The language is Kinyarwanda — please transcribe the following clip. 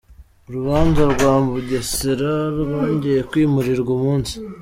Urubanza rwa Mugesera rwongeye kwimurirwa umunsi